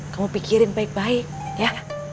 kamu pikirin baik baik ya